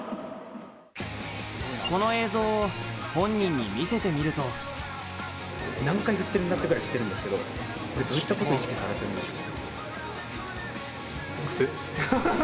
この映像を本人に見せてみると何回振ってるんだってくらい振ってるんですけどどういったことを意識してるんでしょう？